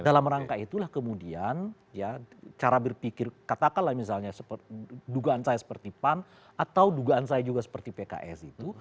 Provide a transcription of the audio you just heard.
dalam rangka itulah kemudian ya cara berpikir katakanlah misalnya dugaan saya seperti pan atau dugaan saya juga seperti pks itu